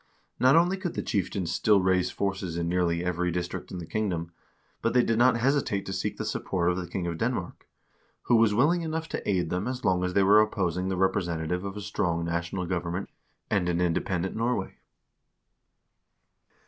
Not only could the chieftains still raise forces in nearly every district in the kingdom, but they did not hesitate to seek the support of the king of Denmark, who was willing enough to aid them as long as they were opposing the representative of a strong national government and an independent Norway.